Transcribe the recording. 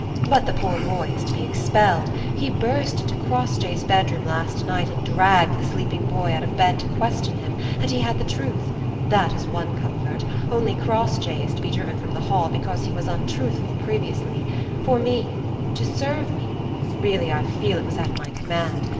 But the poor boy is to be expelled! He burst into Crossjay's bedroom last night and dragged the sleeping boy out of bed to question him, and he had the truth. That is one comfort: only Crossjay is to be driven from the Hall, because he was untruthful previously for me; to serve me; really, I feel it was at my command.